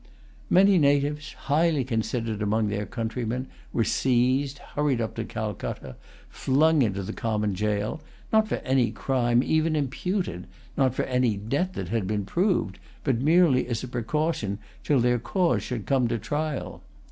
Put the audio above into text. Many natives, highly considered among their countrymen, were seized, hurried up to Calcutta, flung into the common jail, not for any crime even imputed, not for any debt that had been proved, but merely as a precaution till their cause should come to trial.